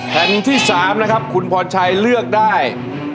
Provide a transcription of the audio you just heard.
แผ่นที่๓นะครับคุณพรชัยเลือกได้